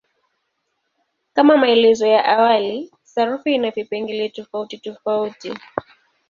Kama maelezo ya awali, sarufi ina vipengele tofautitofauti.